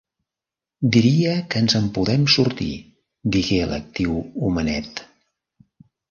"Diria que ens en podem sortir", digué l'actiu homenet.